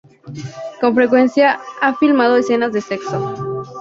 Con frecuencia he filmado escenas de sexo.